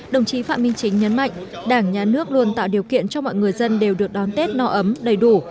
đồng chí phạm minh chính nhấn mạnh đảng nhà nước luôn tạo điều kiện cho mọi người dân đều được đón tết no ấm đầy đủ